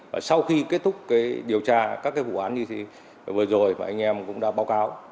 và sau khi kết thúc cái điều tra các cái vụ án như vừa rồi và anh em cũng đã báo cáo